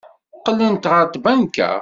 Qqlent ɣer tbanka.